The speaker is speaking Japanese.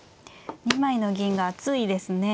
２枚の銀が厚いですね。